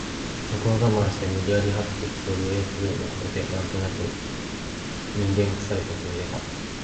そこを我慢して無理やりに這って行くとようやくの事で何となく人間臭い所へ出た